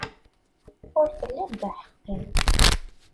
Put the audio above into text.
Ur telliḍ d aḥeqqi.